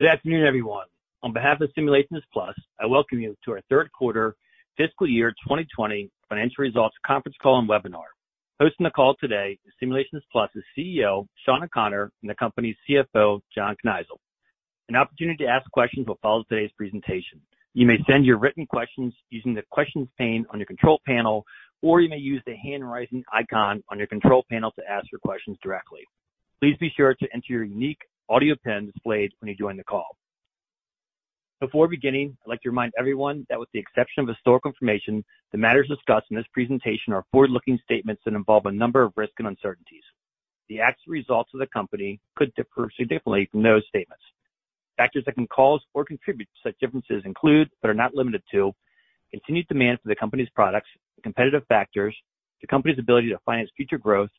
Good afternoon, everyone. On behalf of Simulations Plus, I welcome you to our third quarter fiscal year 2020 financial results conference call and webinar. Hosting the call today is Simulations Plus' CEO, Shawn O'Connor, and the company's CFO, John Kneisel. An opportunity to ask questions will follow today's presentation. You may send your written questions using the Questions pane on your control panel, or you may use the hand-raising icon on your control panel to ask your questions directly. Please be sure to enter your unique audio PIN displayed when you join the call. Before beginning, I'd like to remind everyone that with the exception of historical information, the matters discussed in this presentation are forward-looking statements that involve a number of risks and uncertainties. The actual results of the company could differ significantly from those statements. Factors that can cause or contribute to such differences include, but are not limited to, continued demand for the company's products, the competitive factors, the company's ability to finance future growth,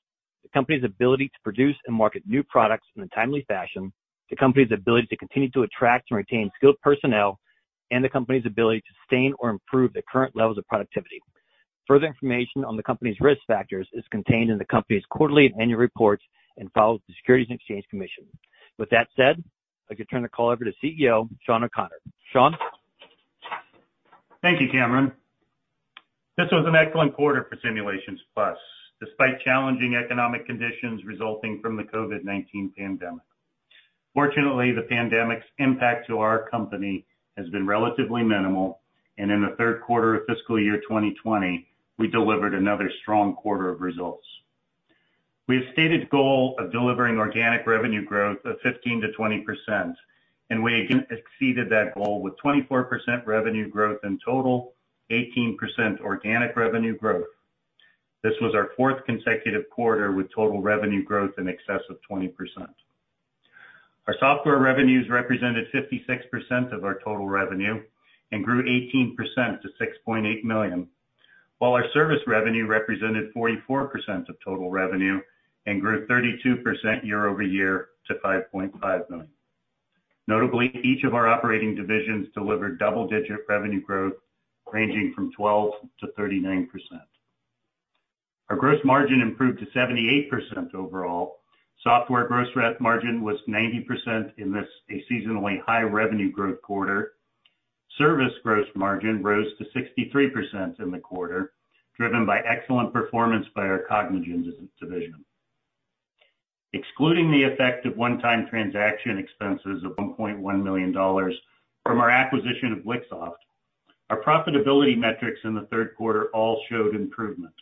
the company's ability to produce and market new products in a timely fashion, the company's ability to continue to attract and retain skilled personnel, and the company's ability to sustain or improve the current levels of productivity. Further information on the company's risk factors is contained in the company's quarterly and annual reports and filed with the Securities and Exchange Commission. With that said, I'd like to turn the call over to CEO, Shawn O'Connor. Shawn? Thank you, Cameron. This was an excellent quarter for Simulations Plus, despite challenging economic conditions resulting from the COVID-19 pandemic. Fortunately, the pandemic's impact to our company has been relatively minimal, and in the third quarter of fiscal year 2020, we delivered another strong quarter of results. We have stated goal of delivering organic revenue growth of 15%-20%, and we again exceeded that goal with 24% revenue growth in total, 18% organic revenue growth. This was our fourth consecutive quarter with total revenue growth in excess of 20%. Our software revenues represented 56% of our total revenue and grew 18% to $6.8 million, while our service revenue represented 44% of total revenue and grew 32% year-over-year to $5.5 million. Notably, each of our operating divisions delivered double-digit revenue growth ranging from 12%-39%. Our gross margin improved to 78% overall. Software gross margin was 90% in this, a seasonally high revenue growth quarter. Service gross margin rose to 63% in the quarter, driven by excellent performance by our Cognigen division. Excluding the effect of one-time transaction expenses of $1.1 million from our acquisition of Lixoft, our profitability metrics in the third quarter all showed improvement.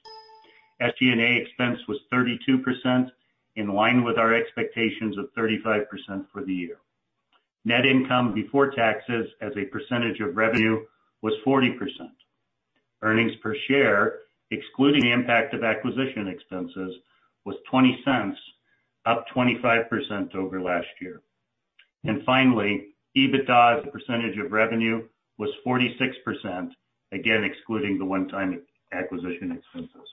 SG&A expense was 32%, in line with our expectations of 35% for the year. Net income before taxes as a percentage of revenue was 40%. Earnings per share, excluding the impact of acquisition expenses, was $0.20, up 25% over last year. Finally, EBITDA as a percentage of revenue was 46%, again excluding the one-time acquisition expenses.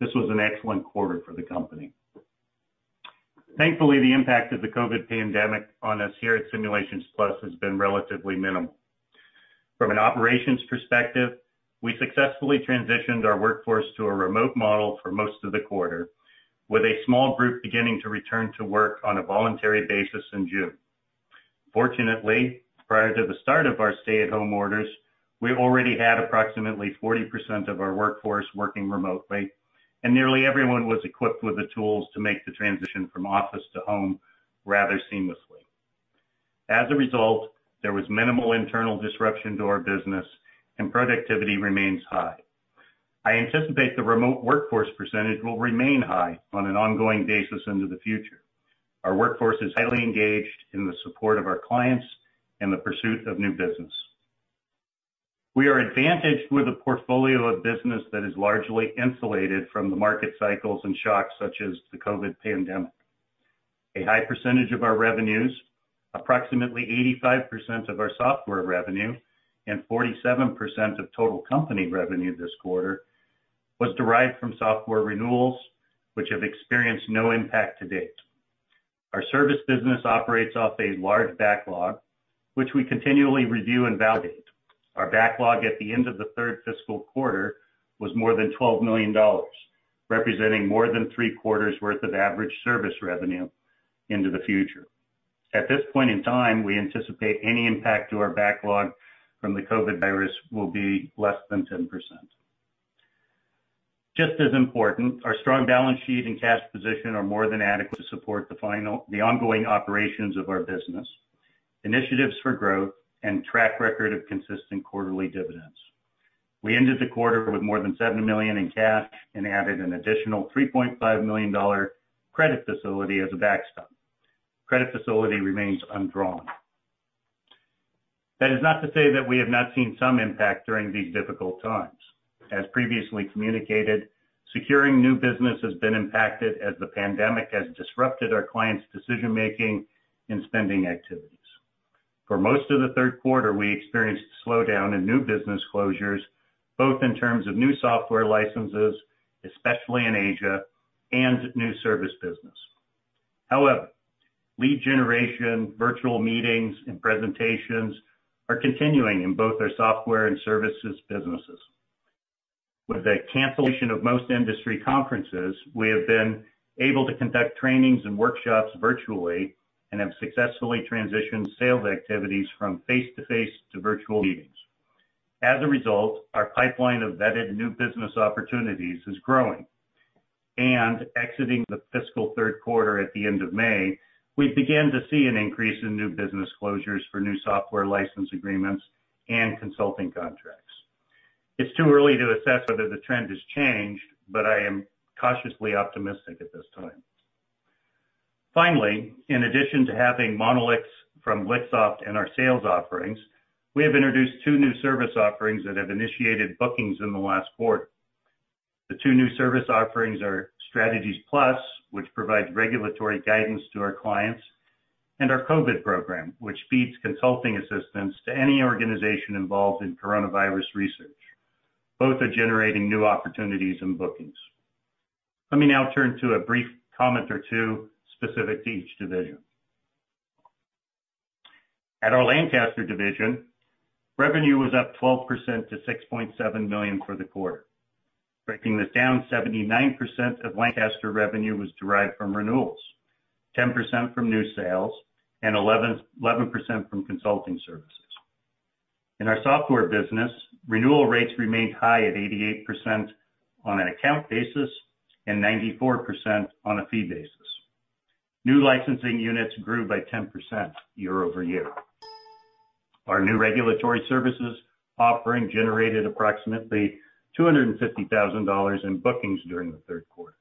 This was an excellent quarter for the company. Thankfully, the impact of the COVID-19 pandemic on us here at Simulations Plus has been relatively minimal. From an operations perspective, we successfully transitioned our workforce to a remote model for most of the quarter, with a small group beginning to return to work on a voluntary basis in June. Fortunately, prior to the start of our stay-at-home orders, we already had approximately 40% of our workforce working remotely, and nearly everyone was equipped with the tools to make the transition from office to home rather seamlessly. As a result, there was minimal internal disruption to our business, and productivity remains high. I anticipate the remote workforce percentage will remain high on an ongoing basis into the future. Our workforce is highly engaged in the support of our clients and the pursuit of new business. We are advantaged with a portfolio of business that is largely insulated from the market cycles and shocks such as the COVID pandemic. A high percentage of our revenues, approximately 85% of our software revenue and 47% of total company revenue this quarter, was derived from software renewals, which have experienced no impact to date. Our service business operates off a large backlog, which we continually review and validate. Our backlog at the end of the third fiscal quarter was more than $12 million, representing more than three quarters' worth of average service revenue into the future. At this point in time, we anticipate any impact to our backlog from the COVID-19 will be less than 10%. Just as important, our strong balance sheet and cash position are more than adequate to support the ongoing operations of our business, initiatives for growth, and track record of consistent quarterly dividends. We ended the quarter with more than $7 million in cash and added an additional $3.5 million credit facility as a backstop. Credit facility remains undrawn. That is not to say that we have not seen some impact during these difficult times. As previously communicated, securing new business has been impacted as the pandemic has disrupted our clients' decision-making and spending activities. For most of the third quarter, we experienced a slowdown in new business closures, both in terms of new software licenses, especially in Asia, and new service business. Lead generation, virtual meetings, and presentations are continuing in both our software and services businesses. With the cancellation of most industry conferences, we have been able to conduct trainings and workshops virtually and have successfully transitioned sales activities from face-to-face to virtual meetings. Our pipeline of vetted new business opportunities is growing. Exiting the fiscal third quarter at the end of May, we began to see an increase in new business closures for new software license agreements and consulting contracts. It's too early to assess whether the trend has changed, but I am cautiously optimistic at this time. Finally, in addition to having Monolix from Lixoft and our sales offerings, we have introduced two new service offerings that have initiated bookings in the last quarter. The two new service offerings are StrategiesPlus, which provides regulatory guidance to our clients, and our COVID program, which feeds consulting assistance to any organization involved in coronavirus research. Both are generating new opportunities and bookings. Let me now turn to a brief comment or two specific to each division. At our Lancaster division, revenue was up 12% to $6.7 million for the quarter. Breaking this down, 79% of Lancaster revenue was derived from renewals, 10% from new sales, and 11% from consulting services. In our software business, renewal rates remained high at 88% on an account basis and 94% on a fee basis. New licensing units grew by 10% year-over-year. Our new regulatory services offering generated approximately $250,000 in bookings during the third quarter.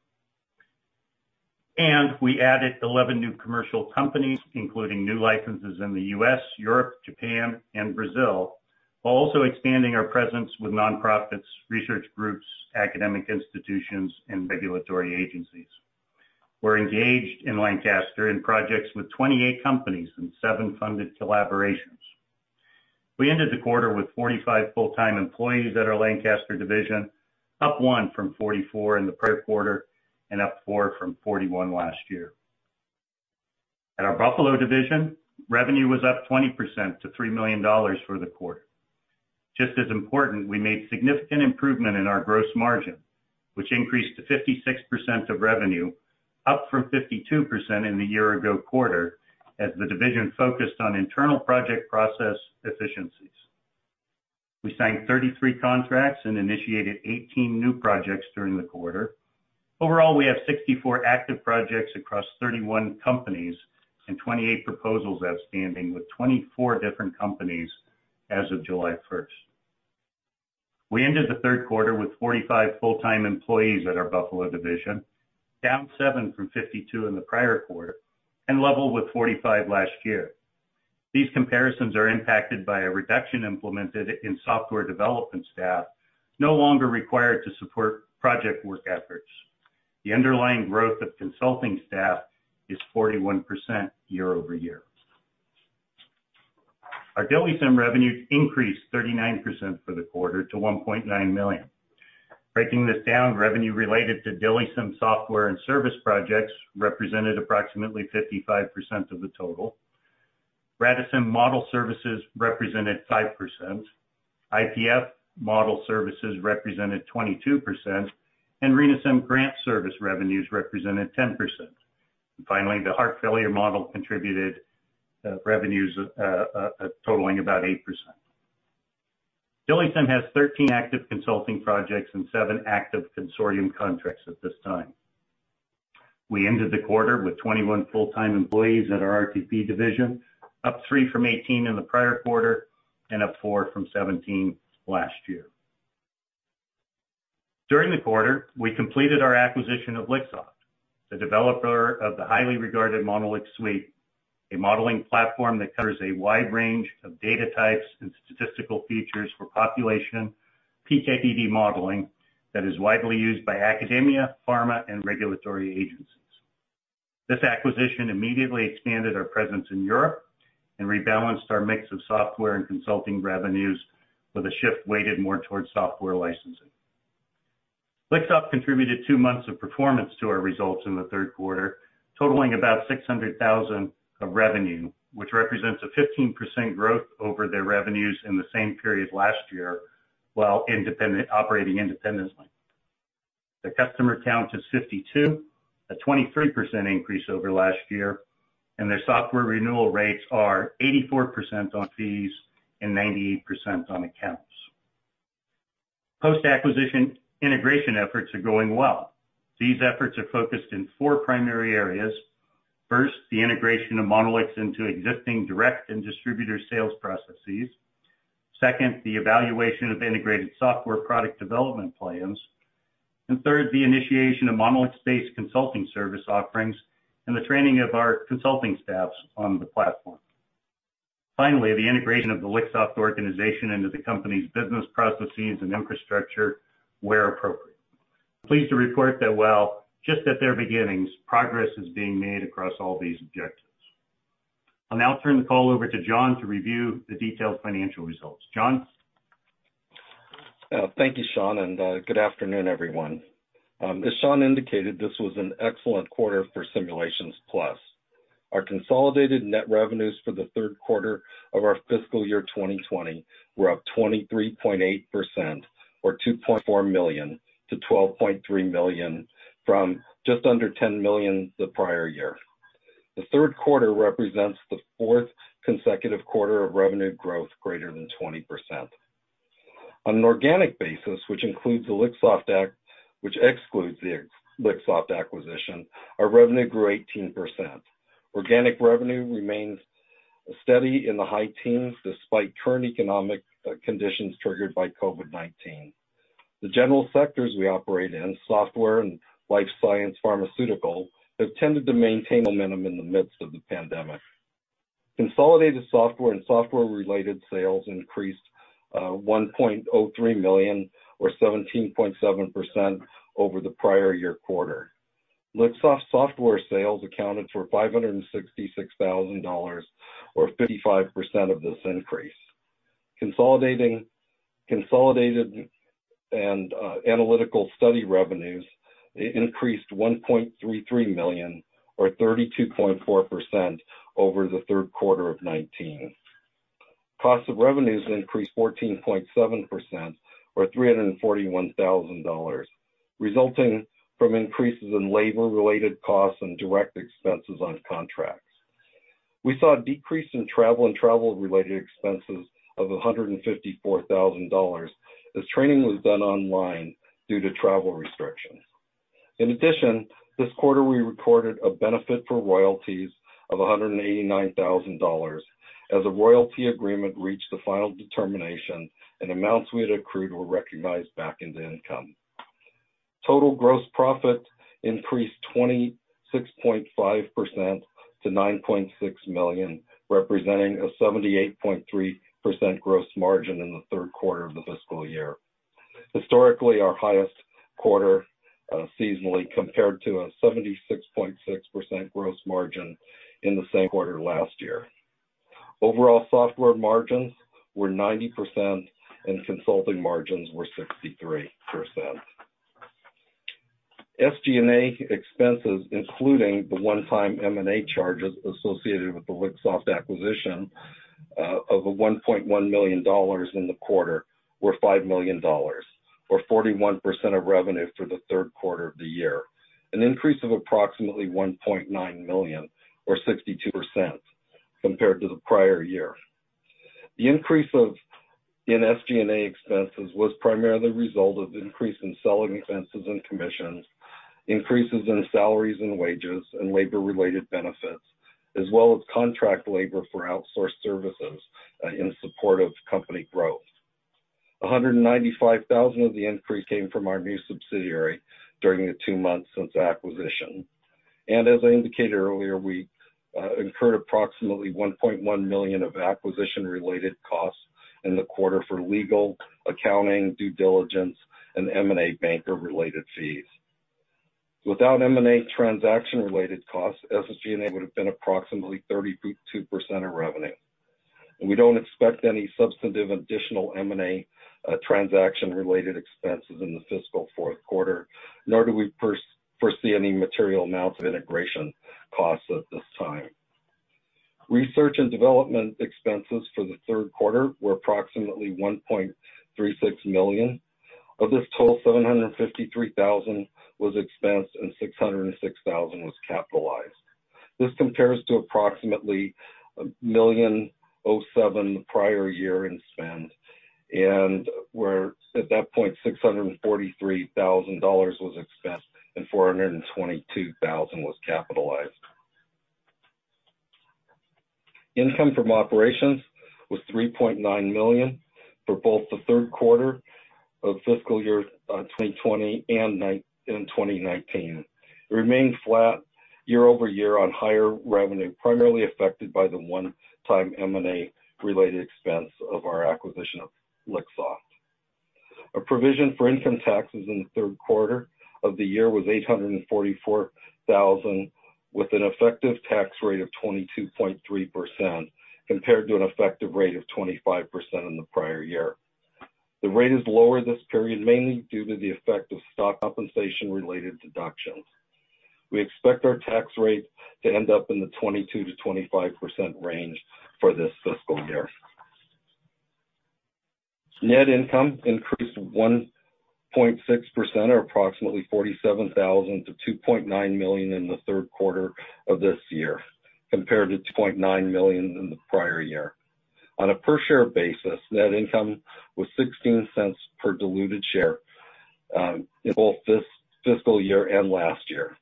We added 11 new commercial companies, including new licenses in the U.S., Europe, Japan, and Brazil, while also expanding our presence with nonprofits, research groups, academic institutions, and regulatory agencies. We're engaged in Lancaster in projects with 28 companies and seven funded collaborations. We ended the quarter with 45 full-time employees at our Lancaster division, up one from 44 in the prior quarter and up four from 41 last year. At our Buffalo division, revenue was up 20% to $3 million for the quarter. Just as important, we made significant improvement in our gross margin, which increased to 56% of revenue, up from 52% in the year-ago quarter as the division focused on internal project process efficiencies. We signed 33 contracts and initiated 18 new projects during the quarter. Overall, we have 64 active projects across 31 companies and 28 proposals outstanding with 24 different companies as of July 1st. We ended the third quarter with 45 full-time employees at our Buffalo division, down 7 from 52 in the prior quarter, and level with 45 last year. These comparisons are impacted by a reduction implemented in software development staff no longer required to support project work efforts. The underlying growth of consulting staff is 41% year-over-year. Our DILIsym revenue increased 39% for the quarter to $1.9 million. Breaking this down, revenue related to DILIsym software and service projects represented approximately 55% of the total. RADAsym model services represented 5%, IPF model services represented 22%, and RENAsym grant service revenues represented 10%. Finally, the heart failure model contributed revenues totaling about 8%. DILIsym has 13 active consulting projects and seven active consortium contracts at this time. We ended the quarter with 21 full-time employees at our RTP division, up three from 18 in the prior quarter and up four from 17 last year. During the quarter, we completed our acquisition of Lixoft, the developer of the highly regarded MonolixSuite, a modeling platform that covers a wide range of data types and statistical features for population PK/PD modeling that is widely used by academia, pharma, and regulatory agencies. This acquisition immediately expanded our presence in Europe and rebalanced our mix of software and consulting revenues with a shift weighted more towards software licensing. Lixoft contributed two months of performance to our results in the third quarter, totaling about $600,000 of revenue, which represents a 15% growth over their revenues in the same period last year, while operating independently. Their customer count is 52, a 23% increase over last year, and their software renewal rates are 84% on fees and 98% on accounts. Post-acquisition integration efforts are going well. These efforts are focused in four primary areas. First, the integration of Monolix into existing direct and distributor sales processes. Second, the evaluation of integrated software product development plans. Third, the initiation of Monolix-based consulting service offerings and the training of our consulting staffs on the platform. The integration of the Lixoft organization into the company's business processes and infrastructure where appropriate. I'm pleased to report that while just at their beginnings, progress is being made across all these objectives. I'll now turn the call over to John to review the detailed financial results. John? Thank you, Shawn. Good afternoon, everyone. As Shawn indicated, this was an excellent quarter for Simulations Plus. Our consolidated net revenues for the third quarter of our fiscal year 2020 were up 23.8%, or $2.4 million, to $12.3 million from just under $10 million the prior year. The third quarter represents the fourth consecutive quarter of revenue growth greater than 20%. On an organic basis, which excludes the Lixoft acquisition, our revenue grew 18%. Organic revenue remains steady in the high teens, despite current economic conditions triggered by COVID-19. The general sectors we operate in, software and life science pharmaceutical, have tended to maintain momentum in the midst of the pandemic. Consolidated software and software-related sales increased $1.03 million or 17.7% over the prior year quarter. Lixoft software sales accounted for $566,000, or 55% of this increase. Consolidated and analytical study revenues increased $1.33 million, or 32.4%, over the third quarter of 2019. Cost of revenues increased 14.7%, or $341,000, resulting from increases in labor-related costs and direct expenses on contracts. We saw a decrease in travel and travel-related expenses of $154,000 as training was done online due to travel restrictions. In addition, this quarter, we recorded a benefit for royalties of $189,000 as a royalty agreement reached the final determination and amounts we had accrued were recognized back into income. Total gross profit increased 26.5% to $9.6 million, representing a 78.3% gross margin in the third quarter of the fiscal year. Historically, our highest quarter, seasonally, compared to a 76.6% gross margin in the same quarter last year. Overall software margins were 90%, and consulting margins were 63%. SG&A expenses, including the one-time M&A charges associated with the Lixoft acquisition of $1.1 million in the quarter, were $5 million, or 41% of revenue for the third quarter of the year, an increase of approximately $1.9 million, or 62%, compared to the prior year. The increase in SG&A expenses was primarily the result of the increase in selling expenses and commissions, increases in salaries and wages and labor-related benefits, as well as contract labor for outsourced services in support of company growth. $195,000 of the increase came from our new subsidiary during the two months since acquisition. As I indicated earlier, we incurred approximately $1.1 million of acquisition-related costs in the quarter for legal, accounting, due diligence, and M&A banker-related fees. Without M&A transaction-related costs, SG&A would have been approximately 32% of revenue. We don't expect any substantive additional M&A transaction-related expenses in the fiscal fourth quarter, nor do we foresee any material amounts of integration costs at this time. Research and development expenses for the third quarter were approximately $1.36 million. Of this total, $753,000 was expensed and $606,000 was capitalized. This compares to approximately a $1.07 million prior year in spend, and where at that point, $643,000 was expensed and $422,000 was capitalized. Income from operations was $3.9 million for both the third quarter of fiscal year 2020 and in 2019. It remained flat year-over-year on higher revenue, primarily affected by the one-time M&A-related expense of our acquisition of Lixoft. Our provision for income taxes in the third quarter of the year was $844,000, with an effective tax rate of 22.3%, compared to an effective rate of 25% in the prior year. The rate is lower this period, mainly due to the effect of stock compensation-related deductions. We expect our tax rate to end up in the 22%-25% range for this fiscal year. Net income increased 1.6%, or approximately $47,000 to $2.9 million in the third quarter of this year, compared to $2.9 million in the prior year. On a per share basis, net income was $0.16 per diluted share in both fiscal year and last year.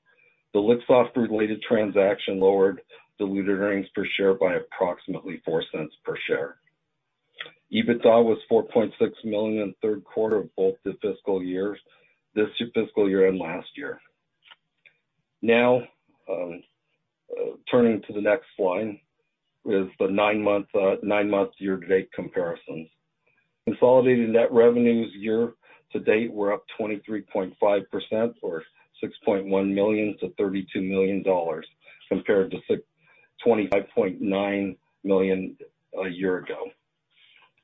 The Lixoft-related transaction lowered diluted earnings per share by approximately $0.04 per share. EBITDA was $4.6 million in the third quarter of both this fiscal year and last year. Turning to the next slide with the nine-month year-to-date comparisons. Consolidated net revenues year-to-date were up 23.5%, or $6.1 million to $32 million, compared to $25.9 million a year ago.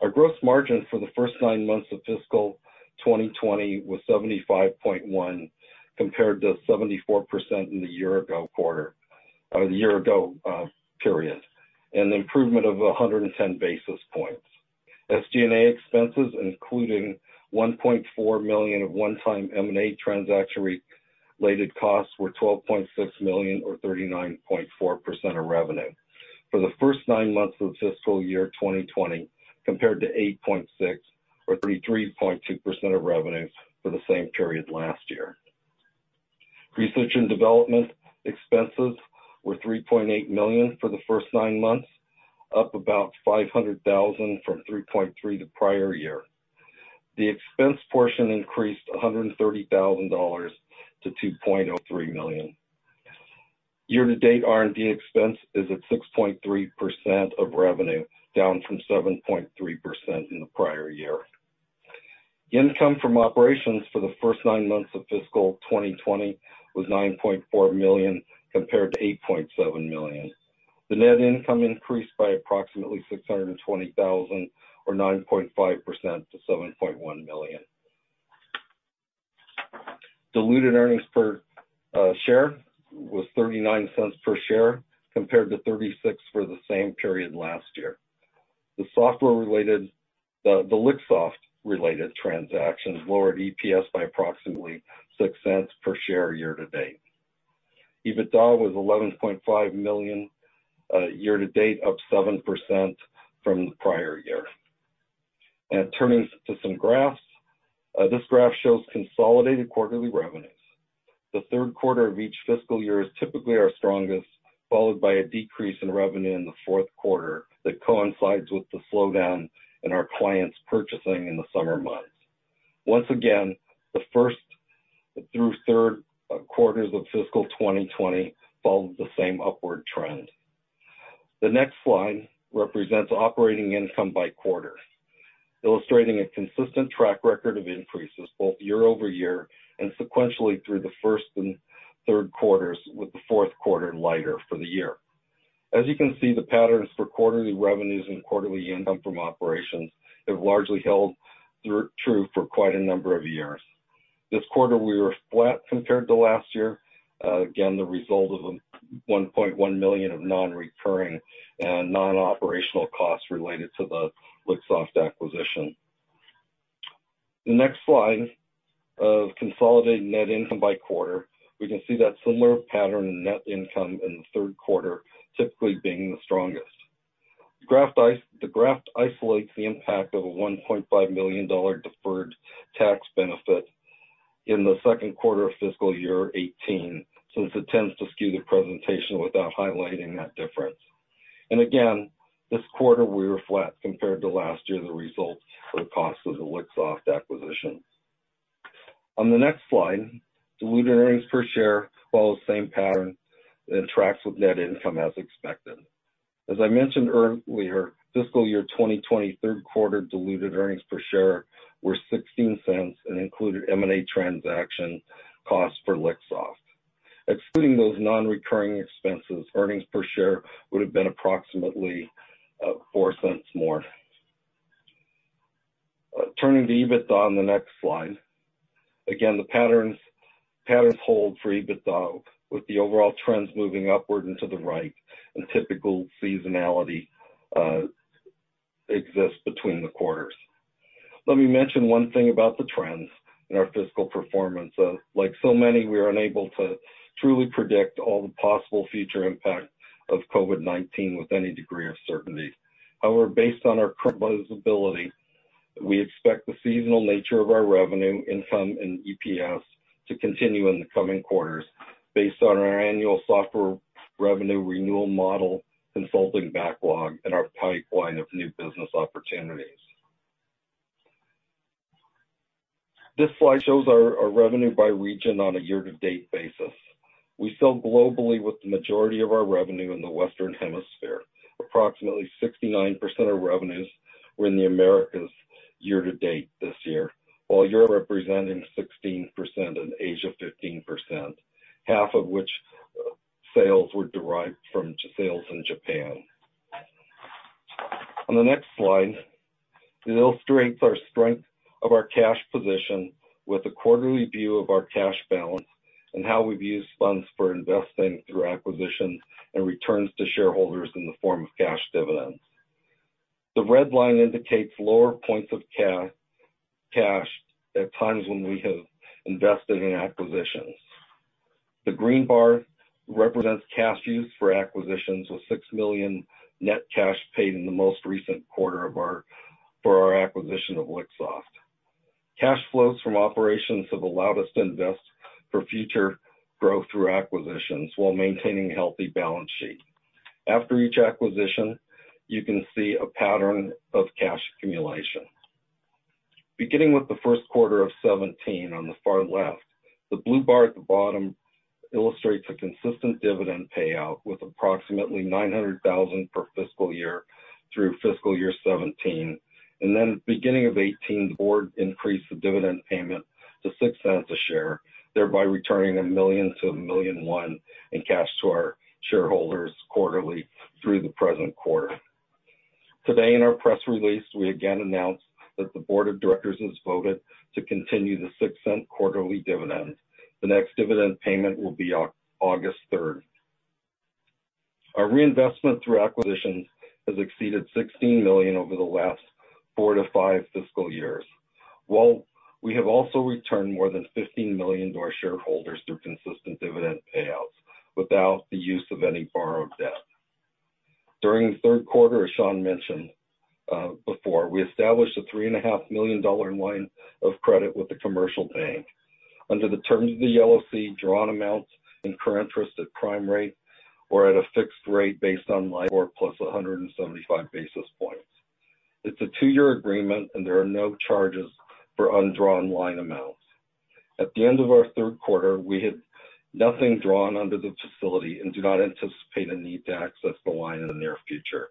Our gross margin for the first nine months of fiscal 2020 was 75.1%, compared to 74% in the year-ago period, an improvement of 110 basis points. SG&A expenses, including $1.4 million of one-time M&A transaction-related costs, were $12.6 million or 39.4% of revenue for the first nine months of fiscal year 2020, compared to 8.6% or 33.2% of revenues for the same period last year. Research and development expenses were $3.8 million for the first nine months, up about $500,000 from $3.3 million the prior year. The expense portion increased $130,000 to $2.03 million. Year-to-date R&D expense is at 6.3% of revenue, down from 7.3% in the prior year. Income from operations for the first nine months of fiscal 2020 was $9.4 million, compared to $8.7 million. The net income increased by approximately $620,000, or 9.5%, to $7.1 million. Diluted earnings per share was $0.39 per share, compared to $0.36 for the same period last year. The Lixoft-related transactions lowered EPS by approximately $0.06 per share year-to-date. EBITDA was $11.5 million year-to-date, up 7% from the prior year. Turning to some graphs. This graph shows consolidated quarterly revenues. The third quarter of each fiscal year is typically our strongest, followed by a decrease in revenue in the fourth quarter that coincides with the slowdown in our clients' purchasing in the summer months. Once again, the first through third quarters of fiscal 2020 followed the same upward trend. The next slide represents operating income by quarter, illustrating a consistent track record of increases both year-over-year and sequentially through the first and third quarters, with the fourth quarter lighter for the year. As you can see, the patterns for quarterly revenues and quarterly income from operations have largely held true for quite a number of years. This quarter, we were flat compared to last year, again, the result of $1.1 million of non-recurring and non-operational costs related to the Lixoft acquisition. The next slide of consolidated net income by quarter, we can see that similar pattern in net income in the third quarter, typically being the strongest. The graph isolates the impact of a $1.5 million deferred tax benefit in the second quarter of fiscal year 2018, since it tends to skew the presentation without highlighting that difference. And again, this quarter, we were flat compared to last year, the result for the cost of the Lixoft acquisition. On the next slide, diluted earnings per share follows the same pattern and tracks with net income as expected. As I mentioned earlier, fiscal year 2020 third quarter diluted earnings per share were $0.16 and included M&A transaction costs for Lixoft. Excluding those non-recurring expenses, earnings per share would have been approximately $0.04 more. Turning to EBITDA on the next slide. Again, the patterns hold for EBITDA, with the overall trends moving upward and to the right, and typical seasonality exists between the quarters. Let me mention one thing about the trends in our fiscal performance. Like so many, we are unable to truly predict all the possible future impacts of COVID-19 with any degree of certainty. However, based on our current visibility, we expect the seasonal nature of our revenue, income, and EPS to continue in the coming quarters based on our annual software revenue renewal model, consulting backlog, and our pipeline of new business opportunities. This slide shows our revenue by region on a year-to-date basis. We sell globally with the majority of our revenue in the Western Hemisphere. Approximately 69% of revenues were in the Americas year-to-date this year, while Europe representing 16% and Asia 15%, half of which sales were derived from sales in Japan. On the next slide, it illustrates our strength of our cash position with a quarterly view of our cash balance and how we've used funds for investing through acquisitions and returns to shareholders in the form of cash dividends. The red line indicates lower points of cash at times when we have invested in acquisitions. The green bar represents cash used for acquisitions, with $6 million net cash paid in the most recent quarter for our acquisition of Lixoft. Cash flows from operations have allowed us to invest for future growth through acquisitions while maintaining a healthy balance sheet. After each acquisition, you can see a pattern of cash accumulation. Beginning with the first quarter of 2017 on the far left, the blue bar at the bottom illustrates a consistent dividend payout with approximately $900,000 per fiscal year through fiscal year 2017. Beginning of 2018, the board increased the dividend payment to $0.06 a share, thereby returning $1 million to $1.1 million in cash to our shareholders quarterly through the present quarter. Today in our press release, we again announced that the board of directors has voted to continue the $0.06 quarterly dividend. The next dividend payment will be on August 3rd. Our reinvestment through acquisitions has exceeded $16 million over the last four to five fiscal years. While we have also returned more than $15 million to our shareholders through consistent dividend payouts without the use of any borrowed debt. During the third quarter, as Shawn mentioned before, we established a $3.5 million line of credit with a commercial bank. Under the terms of the LOC, drawn amounts incur interest at prime rate or at a fixed rate based on LIBOR plus 175 basis points. It's a two-year agreement, and there are no charges for undrawn line amounts. At the end of our third quarter, we had nothing drawn under the facility and do not anticipate a need to access the line in the near future.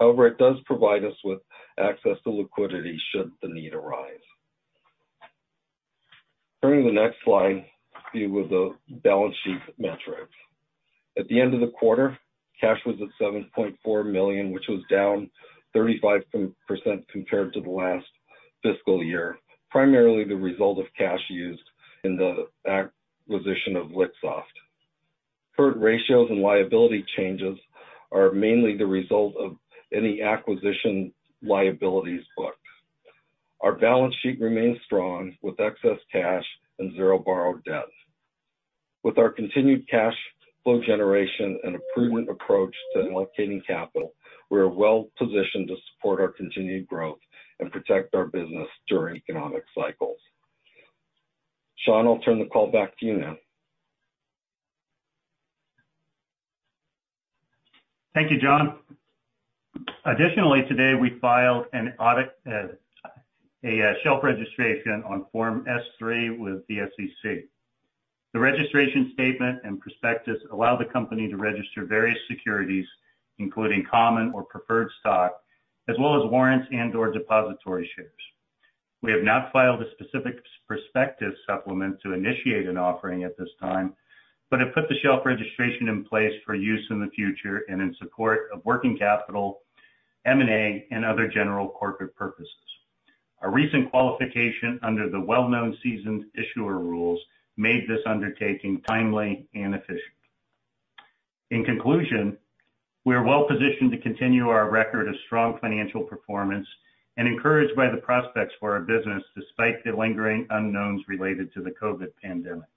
It does provide us with access to liquidity should the need arise. Turning to the next slide, view of the balance sheet metrics. At the end of the quarter, cash was at $7.4 million, which was down 35% compared to the last fiscal year, primarily the result of cash used in the acquisition of Lixoft. Current ratios and liability changes are mainly the result of any acquisition liabilities booked. Our balance sheet remains strong with excess cash and zero borrowed debt. With our continued cash flow generation and a prudent approach to allocating capital, we are well-positioned to support our continued growth and protect our business during economic cycles. Shawn, I'll turn the call back to you now. Thank you, John. Additionally, today we filed a shelf registration on Form S-3 with the SEC. The registration statement and prospectus allow the company to register various securities, including common or preferred stock, as well as warrants and/or depository shares. We have not filed a specific prospectus supplement to initiate an offering at this time, but have put the shelf registration in place for use in the future and in support of working capital, M&A, and other general corporate purposes. Our recent qualification under the well-known seasoned issuer rules made this undertaking timely and efficient. In conclusion, we are well-positioned to continue our record of strong financial performance and encouraged by the prospects for our business despite the lingering unknowns related to the COVID pandemic.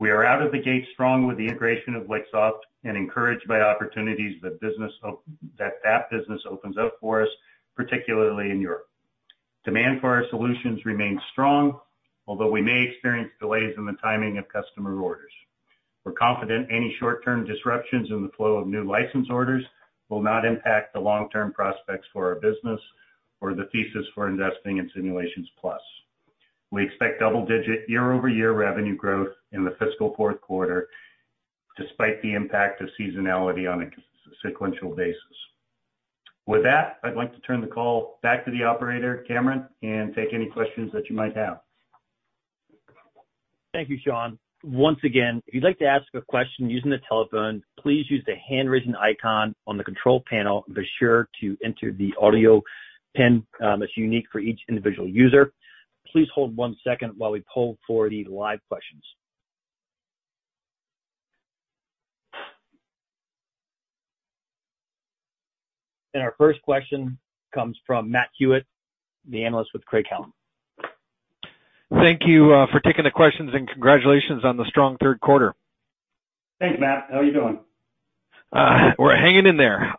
We are out of the gate strong with the integration of Lixoft and encouraged by opportunities that business opens up for us, particularly in Europe. Demand for our solutions remains strong, although we may experience delays in the timing of customer orders. We're confident any short-term disruptions in the flow of new license orders will not impact the long-term prospects for our business or the thesis for investing in Simulations Plus. We expect double-digit year-over-year revenue growth in the fiscal fourth quarter, despite the impact of seasonality on a sequential basis. With that, I'd like to turn the call back to the operator, Cameron, and take any questions that you might have. Thank you, Shawn. Once again, if you'd like to ask a question using the telephone, please use the hand-raising icon on the control panel and be sure to enter the audio pin, that's unique for each individual user. Please hold one second while we poll for the live questions. Our first question comes from Matthew Hewitt, the analyst with Craig-Hallum. Thank you for taking the questions, and congratulations on the strong third quarter. Thanks, Matt. How are you doing? We're hanging in there.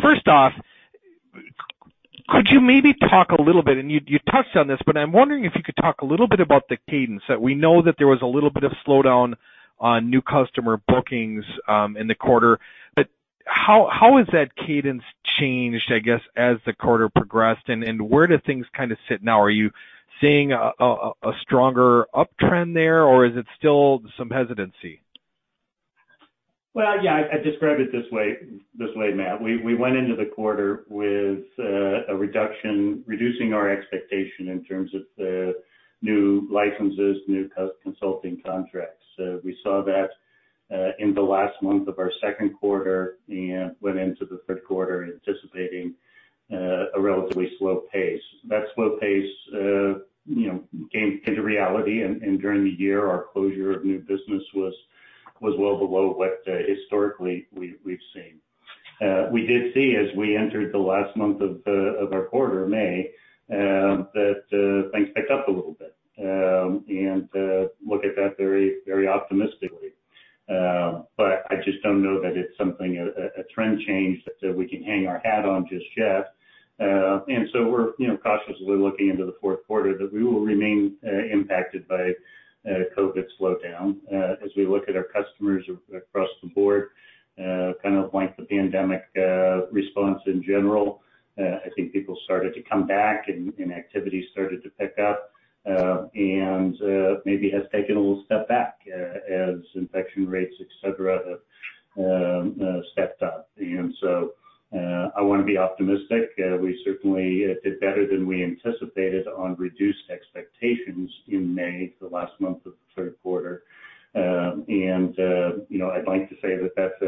First off, could you maybe talk a little bit, and you touched on this, but I'm wondering if you could talk a little bit about the cadence that we know that there was a little bit of slowdown on new customer bookings in the quarter, but how has that cadence changed as the quarter progressed, and where do things kind of sit now? Are you seeing a stronger uptrend there, or is it still some hesitancy? Well, yeah. I describe it this way, Matt. We went into the quarter with a reduction, reducing our expectation in terms of new licenses, new consulting contracts. We saw that in the last month of our second quarter and went into the third quarter anticipating a relatively slow pace. That slow pace, you know, came into reality and during the year, our closure of new business was well below what historically we've seen. We did see as we entered the last month of our quarter, May, that things picked up a little bit and look at that very, very optimistically. I just don't know that it's something, a trend change that we can hang our hat on just yet. We're, you know, cautiously looking into the fourth quarter that we will remain impacted by COVID slowdown. As we look at our customers across the board, kind of like the pandemic response in general, I think people started to come back and activity started to pick up. Maybe has taken a little step back as infection rates, et cetera, have stepped up. I want to be optimistic. We certainly did better than we anticipated on reduced expectations in May, the last month of the third quarter. I'd like to say that that's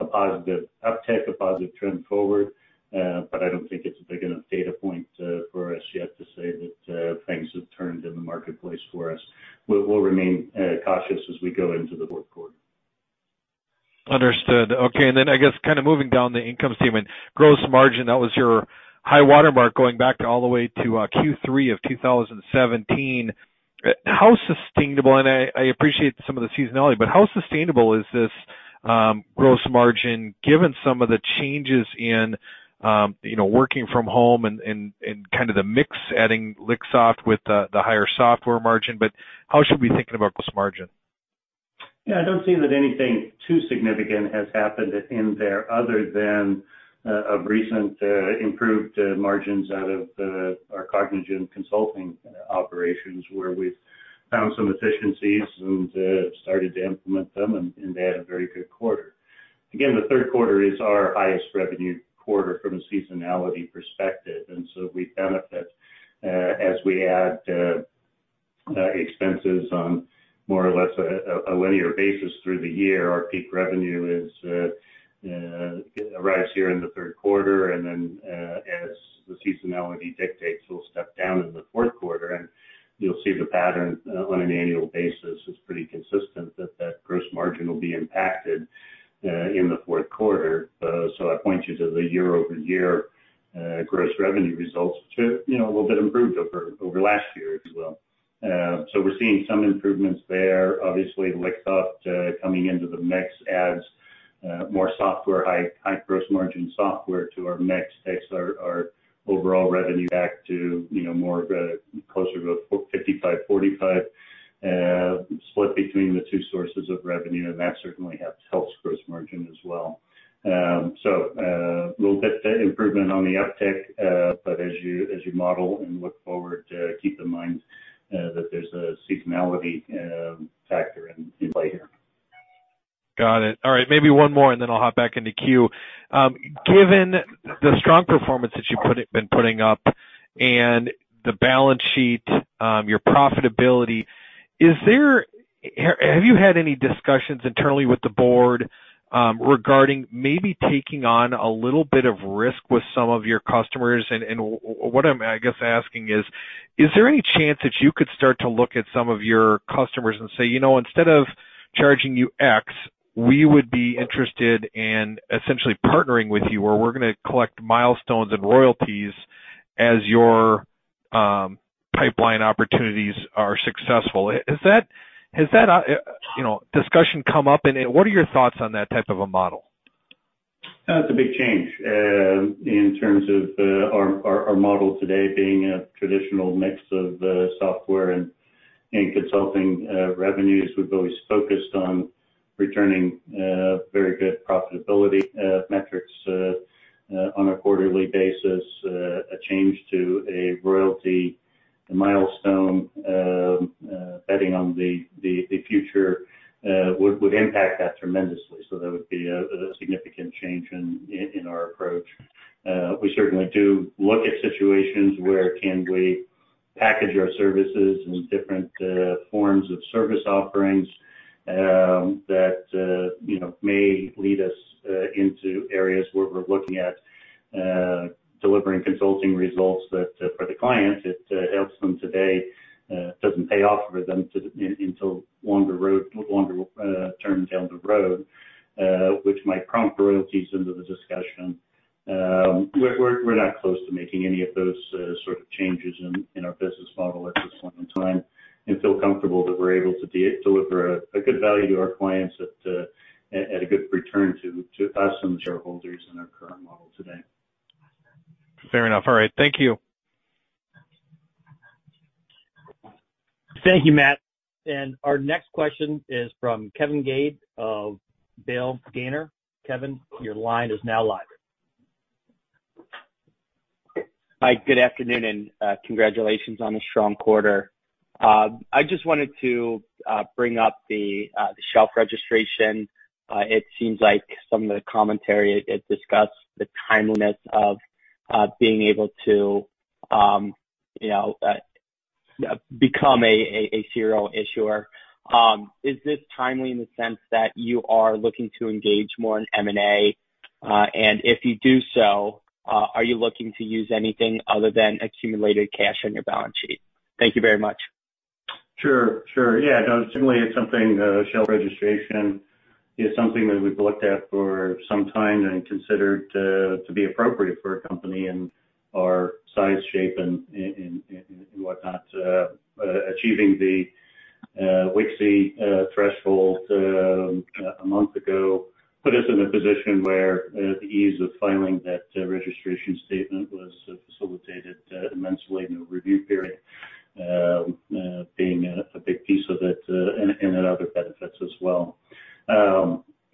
a positive uptick, a positive trend forward, but I don't think it's a big enough data point for us yet to say that things have turned in the marketplace for us. We'll remain cautious as we go into the fourth quarter. Understood. Okay. I guess moving down the income statement, gross margin, that was your high water mark going back all the way to Q3 of 2017. I appreciate some of the seasonality, but how sustainable is this gross margin given some of the changes in working from home and the mix, adding Lixoft with the higher software margin? How should we be thinking about gross margin? Yeah, I don't see that anything too significant has happened in there other than a recent improved margins out of our Cognigen consulting operations, where we've found some efficiencies and started to implement them, and they had a very good quarter. Again, the third quarter is our highest revenue quarter from a seasonality perspective, and so we benefit as we add expenses on more or less a linear basis through the year. Our peak revenue arrives here in the third quarter, and then as the seasonality dictates, we'll step down in the fourth quarter, and you'll see the pattern on an annual basis is pretty consistent that gross margin will be impacted in the fourth quarter. I point you to the year-over-year gross revenue results, a little bit improved over last year, as well. We're seeing some improvements there. Obviously, Lixoft coming into the mix adds more high gross margin software to our mix, takes our overall revenue back to closer to a 55-45 split between the two sources of revenue, and that certainly helps gross margin as well. A little bit of improvement on the uptick, but as you model and look forward, keep in mind that there's a seasonality factor in play here. Got it. All right. Maybe one more, and then I'll hop back into queue. Given the strong performance that you've been putting up and the balance sheet, your profitability, have you had any discussions internally with the board regarding maybe taking on a little bit of risk with some of your customers? What I'm asking is there any chance that you could start to look at some of your customers and say, "Instead of charging you X, we would be interested in essentially partnering with you where we're going to collect milestones and royalties as your pipeline opportunities are successful." Has that discussion come up, and what are your thoughts on that type of a model? That's a big change in terms of our model today being a traditional mix of software and consulting revenues. We've always focused on returning very good profitability metrics on a quarterly basis. A change to a royalty milestone, betting on the future, would impact that tremendously. That would be a significant change in our approach. We certainly do look at situations where can we package our services in different forms of service offerings that may lead us into areas where we're looking at delivering consulting results that, for the client, it helps them today, doesn't pay off for them until longer term down the road, which might prompt royalties into the discussion. We're not close to making any of those sort of changes in our business model at this point in time, and feel comfortable that we're able to deliver a good value to our clients at a good return to us and the shareholders in our current model today. Fair enough. All right. Thank you. Thank you, Matt. Our next question is from Kevin Gade of Bahl & Gaynor. Kevin, your line is now live. Hi, good afternoon. Congratulations on a strong quarter. I just wanted to bring up the shelf registration. It seems like some of the commentary discussed the timeliness of being able to become a serial issuer. Is this timely in the sense that you are looking to engage more in M&A? If you do so, are you looking to use anything other than accumulated cash on your balance sheet? Thank you very much. Sure. Yeah. No, certainly shelf registration is something that we've looked at for some time and considered to be appropriate for a company in our size, shape, and whatnot. Achieving the WKSI threshold a month ago put us in a position where the ease of filing that registration statement was facilitated immensely in the review period, being a big piece of it, and it had other benefits as well.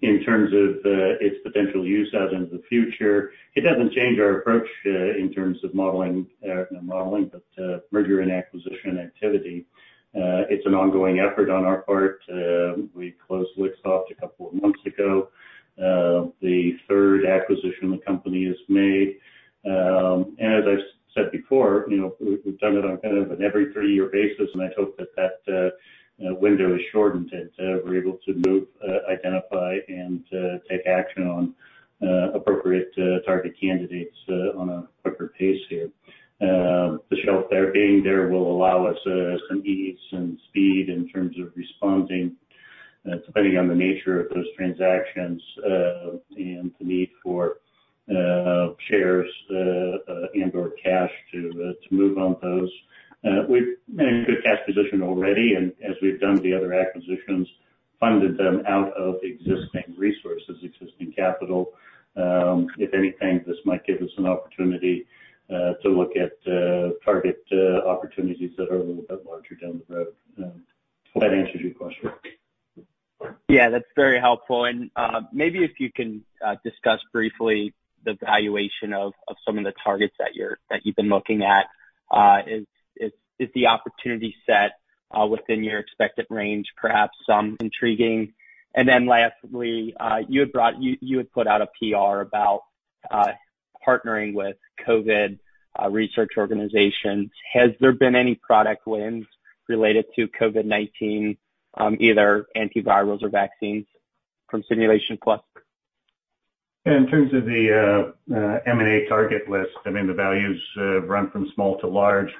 In terms of its potential use out into the future, it doesn't change our approach in terms of modeling, but merger and acquisition activity. It's an ongoing effort on our part. We closed Lixoft a couple of months ago, the third acquisition the company has made. As I've said before, we've done it on kind of an every three-year basis, and I hope that that window is shortened, and we're able to move, identify, and take action on appropriate target candidates on a quicker pace here. The shelf there being there will allow us some ease and speed in terms of responding, depending on the nature of those transactions, and the need for shares, and or cash to move on those. We're in a good cash position already, as we've done the other acquisitions, funded them out of existing resources, existing capital. If anything, this might give us an opportunity to look at target opportunities that are a little bit larger down the road. Hope that answers your question. Yeah, that's very helpful. Maybe if you can discuss briefly the valuation of some of the targets that you've been looking at. Is the opportunity set within your expected range, perhaps some intriguing? Lastly, you had put out a PR about partnering with COVID research organizations. Has there been any product wins related to COVID-19, either antivirals or vaccines from Simulations Plus? In terms of the M&A target list, the values run from small to large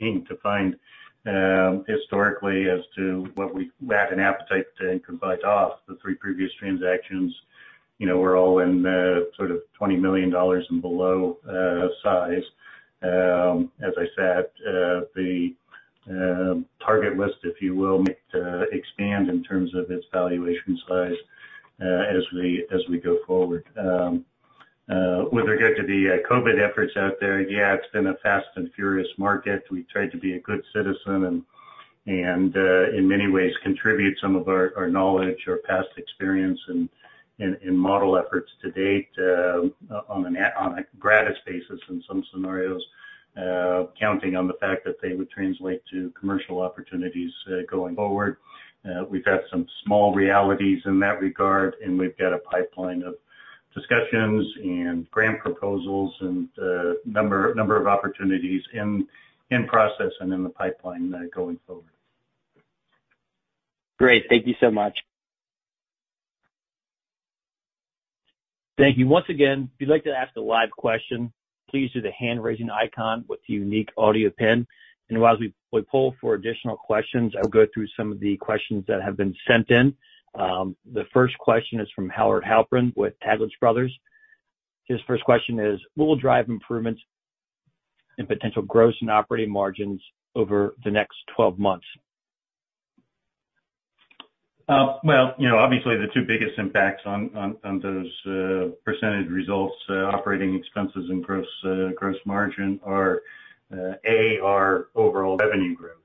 being defined historically as to what we have an appetite to bite off. The three previous transactions were all in sort of $20 million and below size. As I said, the target list, if you will, may expand in terms of its valuation size as we go forward. With regard to the COVID efforts out there, yeah, it's been a fast and furious market. We tried to be a good citizen and, in many ways, contribute some of our knowledge or past experience in model efforts to date on a gratis basis in some scenarios, counting on the fact that they would translate to commercial opportunities going forward. We've had some small realities in that regard, and we've got a pipeline of discussions and grant proposals and a number of opportunities in process and in the pipeline going forward. Great. Thank you so much. Thank you once again. If you'd like to ask a live question, please do the hand-raising icon with the unique audio pin. While we poll for additional questions, I will go through some of the questions that have been sent in. The first question is from Howard Halpern with Taglich Brothers. His first question is: What will drive improvements in potential gross and operating margins over the next 12 months? Well, obviously the two biggest impacts on those percentage results, operating expenses and gross margin are, A, our overall revenue growth.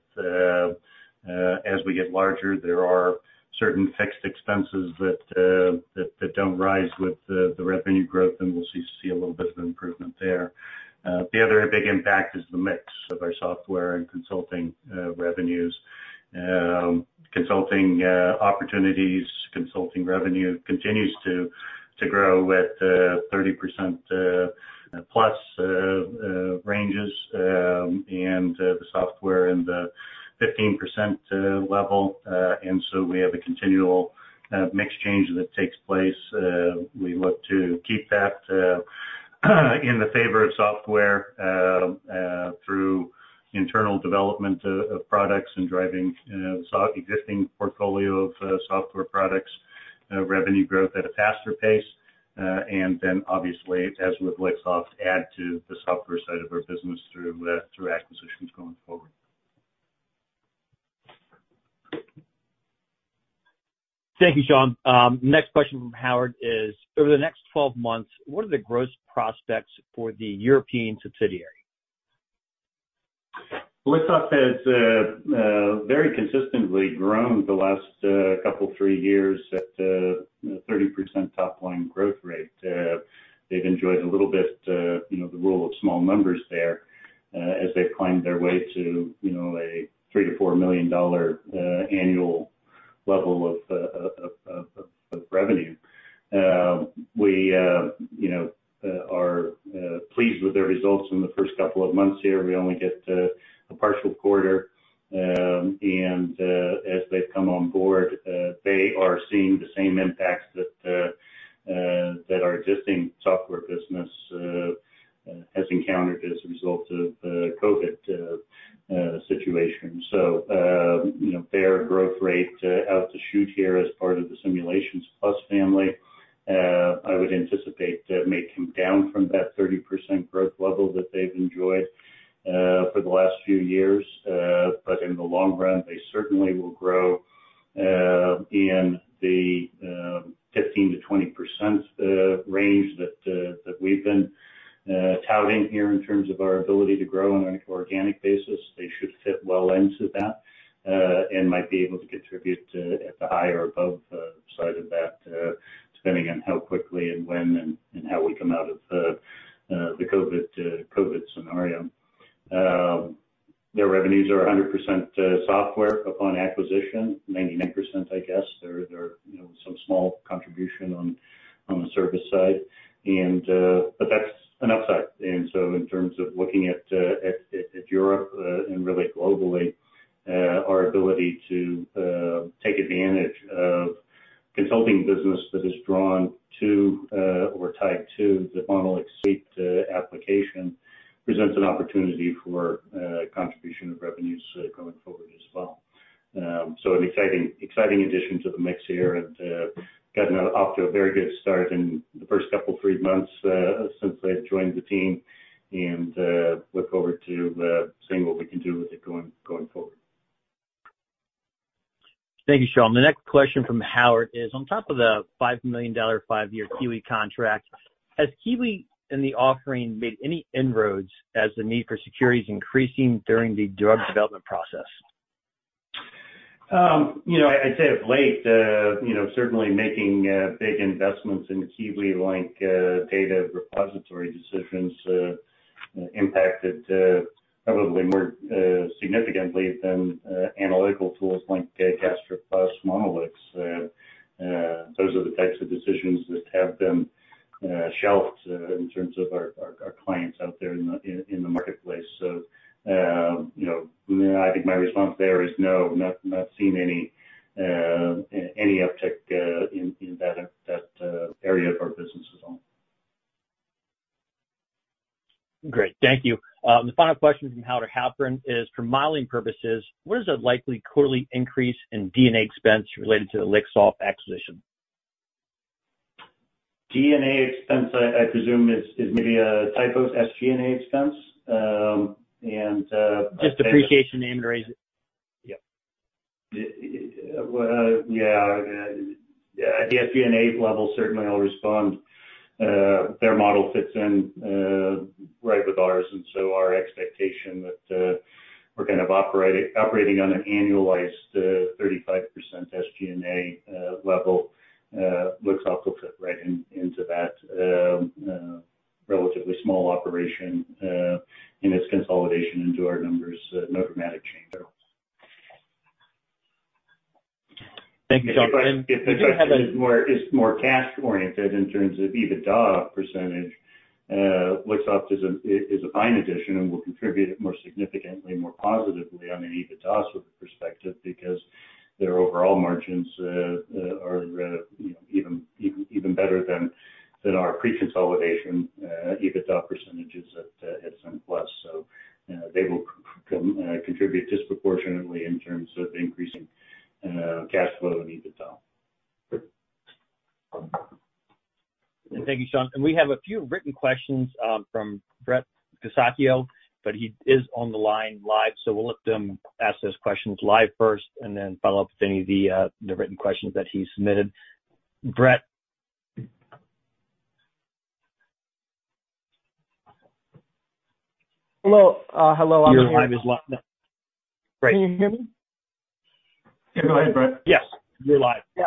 As we get larger, there are certain fixed expenses that don't rise with the revenue growth, and we'll see a little bit of improvement there. The other big impact is the mix of our software and consulting revenues. Consulting opportunities, consulting revenue continues to grow at 30%-plus ranges, and the software in the 15% level. We have a continual mix change that takes place. We look to keep that in the favor of software through internal development of products and driving existing portfolio of software products revenue growth at a faster pace. Obviously, as with Lixoft, add to the software side of our business through acquisitions going forward. Thank you, Shawn. Next question from Howard is: Over the next 12 months, what are the gross prospects for the European subsidiary? Lixoft has very consistently grown the last couple, three years at a 30% top-line growth rate. They've enjoyed a little bit the rule of small numbers there as they've climbed their way to a $3 million to $4 million annual level of revenue. We are pleased with their results from the first couple of months here. We only get a partial quarter. As they've come on board, they are seeing the I'd say of late, certainly making big investments in KIWI link data repository decisions impacted probably more significantly than analytical tools like GastroPlus Monolix. Those are the types of decisions that have been shelved in terms of our clients out there in the marketplace. I think my response there is no, not seen any uptick in that area of our business as well. Great. Thank you. The final question from Howard Halpern is, for modeling purposes, what is the likely quarterly increase in D&A expense related to the Lixoft acquisition? D&A expense, I presume, is maybe a typo. SG&A expense? Just appreciation name, raise it. Yeah. At the SG&A level, certainly I'll respond. Their model fits in right with ours, and so our expectation that we're operating on an annualized 35% SG&A level, Lixoft will fit right into that relatively small operation in its consolidation into our numbers, no dramatic change there. Thank you, Shawn. If the question is more cash oriented in terms of EBITDA percentage, Lixoft is a fine addition and will contribute more significantly, more positively on an EBITDA sort of perspective, because their overall margins are even better than our pre-consolidation EBITDA percentages at SimPlus. They will contribute disproportionately in terms of increasing cash flow and EBITDA. Thank you, Shawn. We have a few written questions from Brett Kisakyo, but he is on the line live, so we'll let him ask those questions live first and then follow up with any of the written questions that he submitted. Brett? Hello. I'm here. Your line is live now. Great. Can you hear me? Can you hear me, Brett? Yes, you're live. Yeah.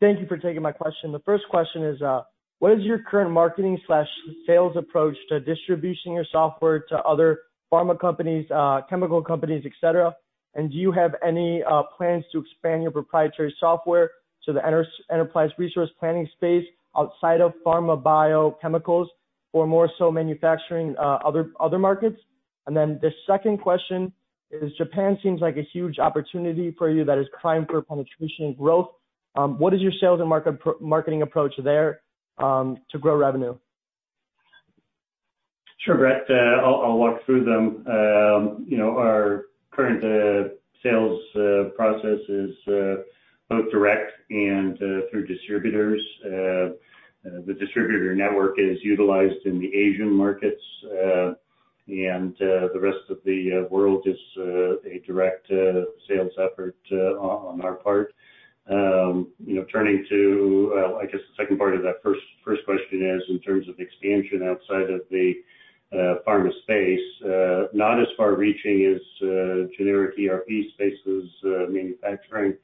Thank you for taking my question. The first question is, what is your current marketing/sales approach to distributing your software to other pharma companies, chemical companies, et cetera, and do you have any plans to expand your proprietary software to the enterprise resource planning space outside of pharma, bio, chemicals, or more so manufacturing other markets? The second question is, Japan seems like a huge opportunity for you that is crying for penetration and growth. What is your sales and marketing approach there to grow revenue? Sure, Brett. I'll walk through them. Our current sales process is both direct and through distributors. The distributor network is utilized in the Asian markets, and the rest of the world is a direct sales effort on our part. Turning to, I guess the second part of that first question is, in terms of expansion outside of the pharma space, not as far-reaching as generic ERP spaces manufacturing.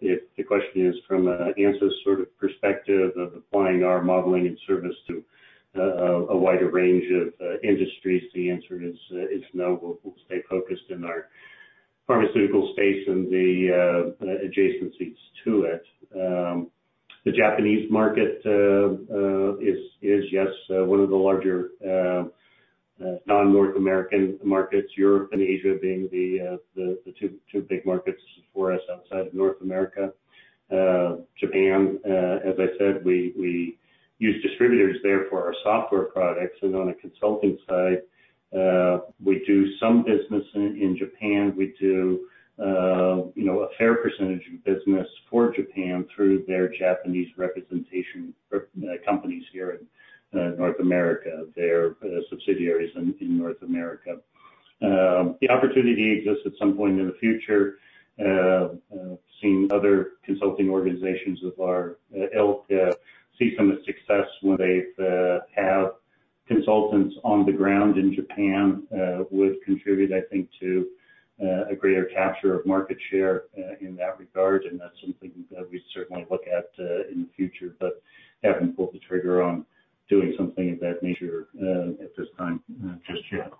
If the question is from an answer sort of perspective of applying our modeling and service to a wider range of industries, the answer is no. We'll stay focused in our pharmaceutical space and the adjacencies to it. The Japanese market is, yes, one of the larger non-North American markets, Europe and Asia being the two big markets for us outside of North America. Japan, as I said, we use distributors there for our software products, and on the consulting side, we do some business in Japan. We do a fair percentage of business for Japan through their Japanese representation companies here in North America, their subsidiaries in North America. The opportunity exists at some point in the future. I've seen other consulting organizations of our ilk see some success when they've have consultants on the ground in Japan would contribute, I think, to a greater capture of market share in that regard. That's something that we'd certainly look at in the future, but haven't pulled the trigger on doing something of that nature at this time just yet.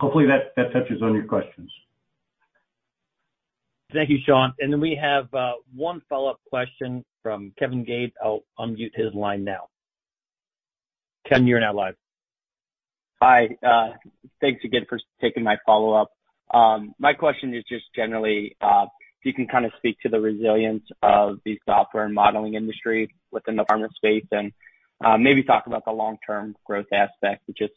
Hopefully that touches on your questions. Thank you, Shawn. We have one follow-up question from Kevin Gade. I'll unmute his line now. Kevin, you're now live. Hi. Thanks again for taking my follow-up. My question is just generally if you can speak to the resilience of the software and modeling industry within the pharma space and maybe talk about the long-term growth aspect. It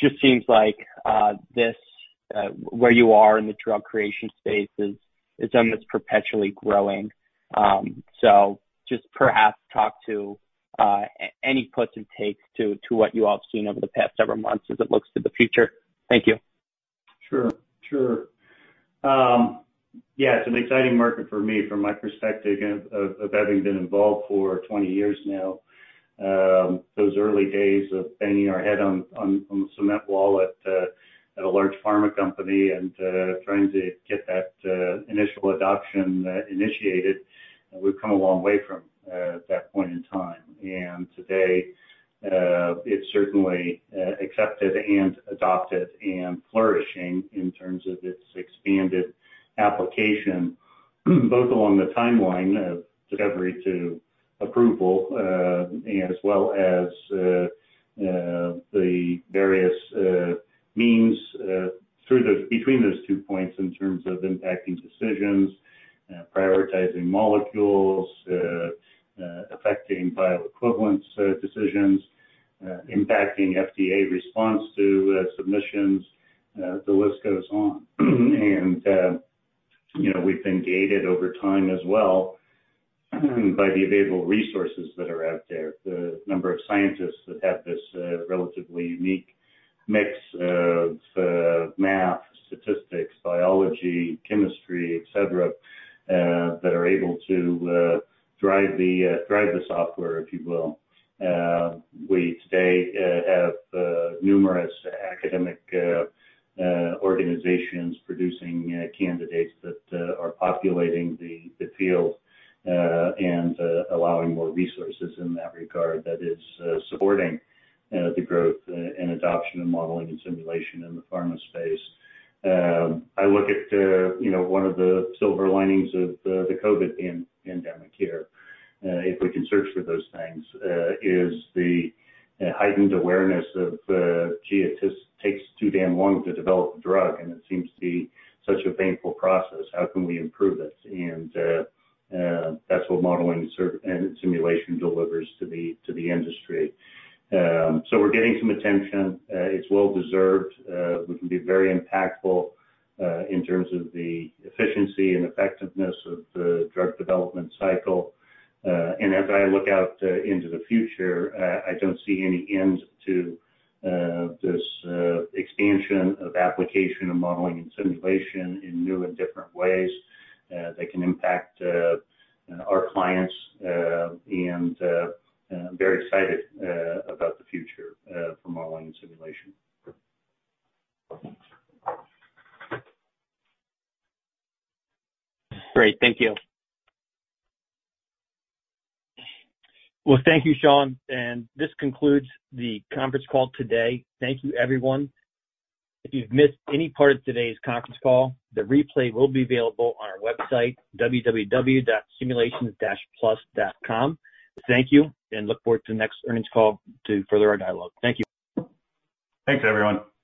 just seems like where you are in the drug creation space is something that's perpetually growing. Just perhaps talk to any puts and takes to what you all have seen over the past several months as it looks to the future. Thank you. Sure. Yeah, it's an exciting market for me from my perspective of having been involved for 20 years now. Those early days of banging our head on the cement wall at a large pharma company and trying to get that initial adoption initiated, we've come a long way from that point in time. Today, it's certainly accepted and adopted and flourishing in terms of its expanded application, both along the timeline of discovery to approval as well as the various means between those two points in terms of impacting decisions, prioritizing molecules, affecting bioequivalence decisions, impacting FDA response to submissions. The list goes on. We've been gated over time as well by the available resources that are out there. The number of scientists that have this relatively unique mix of math, statistics, biology, chemistry, et cetera, that are able to drive the software, if you will. We today have numerous academic organizations producing candidates that are populating the field and allowing more resources in that regard that is supporting the growth and adoption of modeling and simulation in the pharma space. I look at one of the silver linings of the COVID-19 pandemic here, if we can search for those things, is the heightened awareness of, "Gee, it just takes too damn long to develop a drug, and it seems to be such a painful process. How can we improve this?" That's what modeling and simulation delivers to the industry. We're getting some attention. It's well deserved. We can be very impactful in terms of the efficiency and effectiveness of the drug development cycle. As I look out into the future, I don't see any end to this expansion of application of modeling and simulation in new and different ways that can impact our clients. I'm very excited about the future for modeling and simulation. Great. Thank you. Well, thank you, Shawn, and this concludes the conference call today. Thank you, everyone. If you've missed any part of today's conference call, the replay will be available on our website, simulations-plus.com. Thank you, and look forward to the next earnings call to further our dialogue. Thank you. Thanks, everyone.